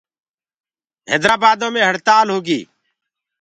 هيدرآبآدو مي هڙتآل هوگي۔